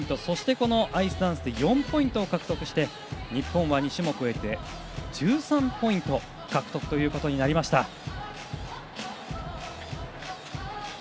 そしてアイスダンスで４ポイントを獲得して日本は２種目を終えて１３ポイント獲得となりました。